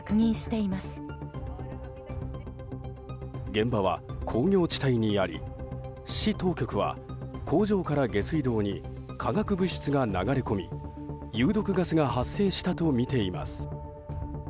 現場は、工業地帯にあり市当局は、工場から下水道に化学物質が流れ込み、有毒ガスが発生したとみています。